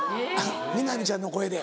南ちゃんの声で。